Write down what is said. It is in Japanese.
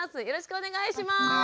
よろしくお願いします。